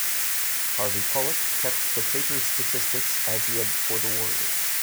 Harvey Pollack kept the Tapers' statistics as he had for the Warriors.